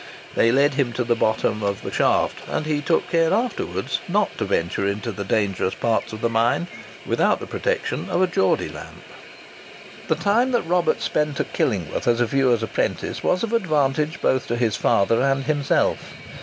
They led him to the bottom of the shaft; and he took care afterwards not to venture into the dangerous parts of the mine without the protection of a Geordy lamp. The time that Robert spent at Killingworth as viewer's apprentice was of advantage both to his father and himself.